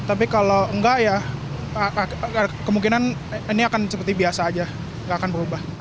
tapi kalau enggak ya kemungkinan ini akan seperti biasa aja nggak akan berubah